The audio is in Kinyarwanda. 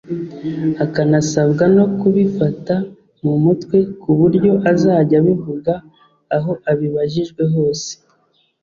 akanasabwa no kubifata mu mutwe ku buryo azajya abivuga aho abibajijwe hose